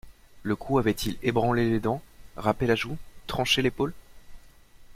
Le coup avait-il ébranlé les dents, râpé la joue, tranché l'épaule?